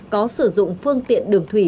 có sử dụng phương tiện đường thủy